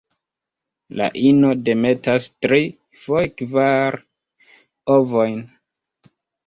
La ino demetas tri, foje kvar, ovojn.